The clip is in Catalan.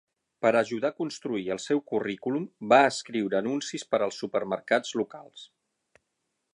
Per ajudar a construir el seu currículum, va escriure anuncis per als supermercats locals.